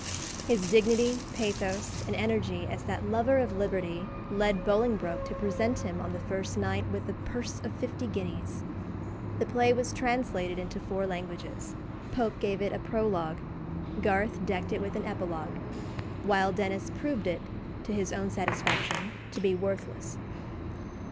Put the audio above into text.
His dignity, pathos, and energy as that lover of liberty led Bolingbroke to present him on the first night with a purse of fifty guineas. The play was translated into four languages; Pope gave it a prologue; Garth decked it with an epilogue; while Denis proved it, to his own satisfaction, to be worthless.